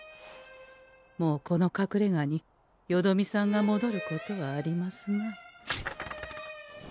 もうこのかくれがによどみさんがもどることはありますまい。